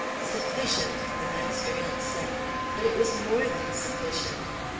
"Sufficient," the master had said; but it was more than sufficient.